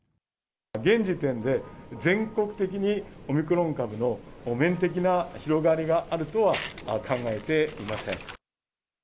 現時点で全国的にオミクロン株の面的な広がりがあるとは考えていません。